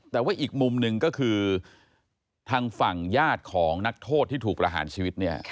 แต่ว่าอีกมุมหนึ่งก็คือทางฝั่งญาติของนักโทษที่ถูกประหารชีวิตเนี่ย